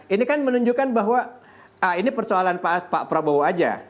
ini kan menunjukkan bahwa ini persoalan pak prabowo aja